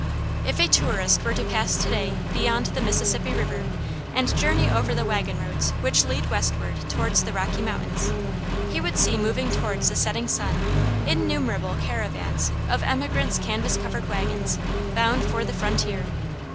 If a tourist were to pass to day beyond the Mississippi River, and journey over the wagon roads which lead Westward towards the Rocky Mountains, he would see moving towards the setting sun innumerable caravans of emigrants' canvas covered wagons, bound for the frontier.